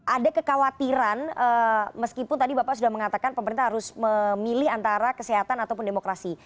ada kekhawatiran meskipun tadi bapak sudah mengatakan pemerintah harus memilih antara kesehatan ataupun demokrasi